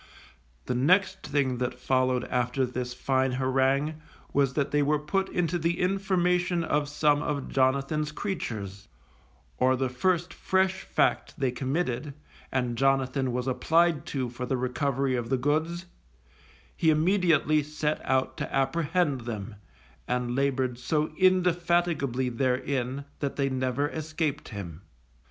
The next thing that followed after this fine harangue was that they were put into the information of some of Jonathan's creatures; or the first fresh fact they committed and Jonathan was applied to for the recovery of the goods, he immediately set out to apprehend them, and laboured so indefatigably therein that they never escaped him.